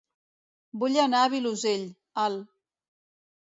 Vull anar a Vilosell, el